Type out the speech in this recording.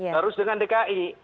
harus dengan dki